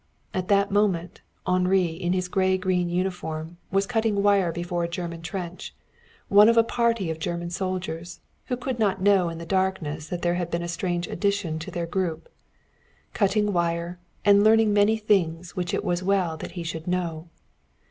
At that moment Henri, in his gray green uniform, was cutting wire before a German trench, one of a party of German soldiers, who could not know in the darkness that there had been a strange addition to their group. Cutting wire and learning many things which it was well that he should know.